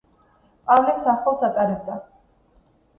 პავლეს სახელს ატარებდა.